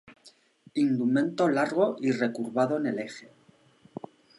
Indumento largo y recurvado en el eje.